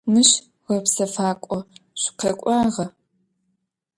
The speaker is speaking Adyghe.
Мыщ гъэпсэфакӏо шъукъэкӏуагъа?